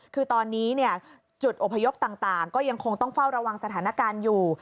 คือตอนนี้จุดอพยพต่างก็ยังคงต้องเฝ้าระวังสถานการณ์อยู่